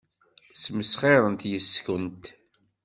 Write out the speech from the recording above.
Ssmesxirent yes-kent.